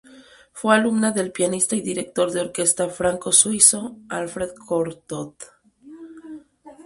Fue alumna del pianista y director de orquesta franco-suizo Alfred Cortot.